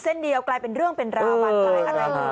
เส้นเดียวกลายเป็นเรื่องเป็นราวรรค์